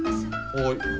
はい。